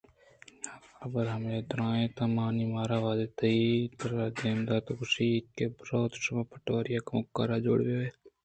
‘جیریماءَ درّ ا ئینت ہمائی ءَمارا وہدے تئی کِرّادیم دات گڑا گوٛشتے کہ برواِت شما پٹواری ءِ کُمکار جوڑ بہ بئیت